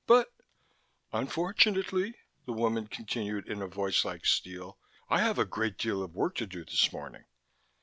"But " "Unfortunately," the woman continued in a voice like steel, "I have a great deal of work to do this morning."